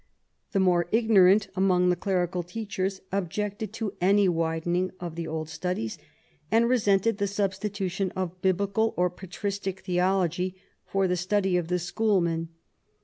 The more ignorant among the clerical teachers objected to any widening of the old studies, and resented the substitution of biblical or patristic theology for the study of the schoolmen.